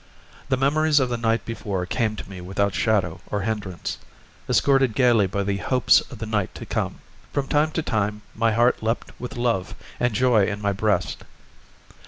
The memories of the night before came to me without shadow or hindrance, escorted gaily by the hopes of the night to come. From time to time my heart leaped with love and joy in my breast.